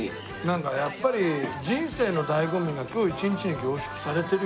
なんかやっぱり人生の醍醐味が今日一日に凝縮されてるよね。